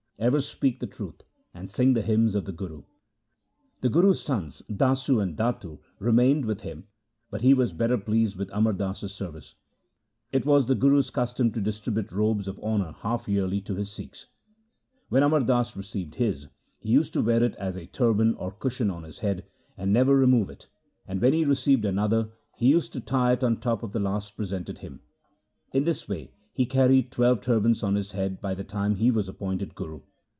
Ever speak the truth, and sing the hymns of the Guru.' The Guru's sons Dasu and Datu remained with him, but he was better pleased with Amar Das's service. It was the Guru's custom to distribute robes of honour half yearly to his Sikhs. When Amar Das received his, he used to wear it as a turban or cushion on his head, and never remove it ; and when he received another he used to tie it on the top of the last presented him. In this way he carried twelve turbans on his head by the time he was appointed Guru.